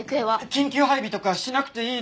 緊急配備とかしなくていいの？